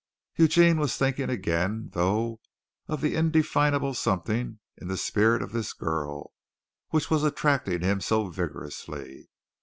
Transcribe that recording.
Eugene was thinking again, though, of the indefinable something in the spirit of this girl which was attracting him so vigorously.